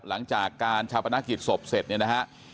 หลังจากการชาปนกิจศพเสร็จเนี่ยนะฮะ